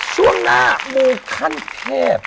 ช่วงหน้ามูขั้นเทพ